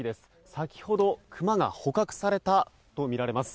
先ほど、クマが捕獲されたとみられます。